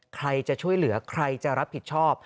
ใครจะช่วยเหลือใครจะรับผิดชอบ